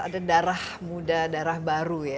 ada darah muda darah baru ya